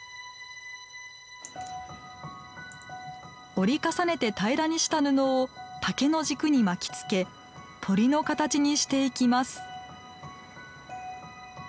折り重ねて平らにした布を竹の軸に巻き付け鳥の形にしていきます。